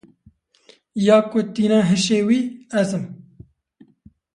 Ya ku tîne hişê wî ez im.